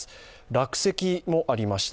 落石もありました